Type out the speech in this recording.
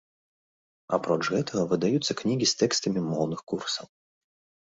Апроч гэтага, выдаюцца кнігі з тэкстамі моўных курсаў.